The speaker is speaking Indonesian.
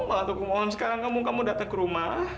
mbak judit aku mohon sekarang kamu datang ke rumah